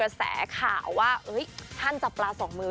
ซึ่งเจ้าตัวก็ยอมรับว่าเออก็คงจะเลี่ยงไม่ได้หรอกที่จะถูกมองว่าจับปลาสองมือ